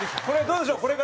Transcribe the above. これはどうでしょう？